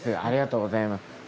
ありがとうございます。